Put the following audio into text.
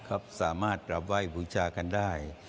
ครับสามารถกราบไหว้บูชากันได้